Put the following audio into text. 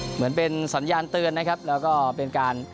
เหมือนเป็นสัญญาณเตือนนะครับแล้วก็เป็นการ